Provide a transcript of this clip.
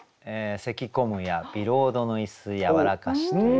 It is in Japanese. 「咳込むやビロードの椅子やはらかし」という。